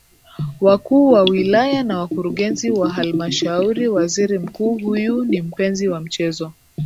wakuu wa wilaya na wakurugenzi wa halmashauriWaziri Mkuu huyu ni mpenzi wa mchezo